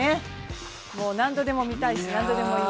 何度でも見たい。